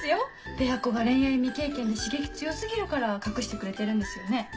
ペアっ子が恋愛未経験で刺激強過ぎるから隠してくれてるんですよね。